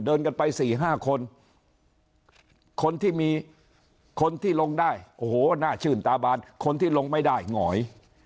เดินกันไป๔๕คนคนที่มีคนที่ลงได้โอ้โหน่าชื่นตาบานคนที่ลงไม่ได้หงอย